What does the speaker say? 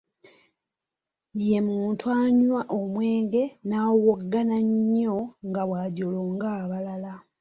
Ye muntu anywa omwenge n'awowoggana nnyo nga bwajolonga abalala.